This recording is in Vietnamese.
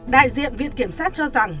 đại diện viện kiểm soát cho rằng